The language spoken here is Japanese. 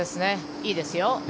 いいですよ。